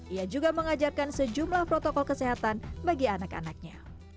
ia juga mengajarkan sejumlah protokol kesehatan bagi anak anaknya